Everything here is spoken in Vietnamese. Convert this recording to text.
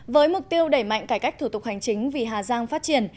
với mục tiêu đẩy mạnh cải cách thủ tục hành chính vì hà giang phát triển